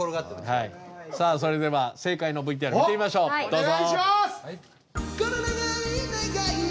さあそれでは正解のＶＴＲ見てみましょうどうぞ。